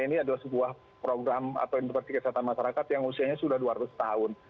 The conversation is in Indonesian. ini adalah sebuah program atau informasi kesehatan masyarakat yang usianya sudah dua ratus tahun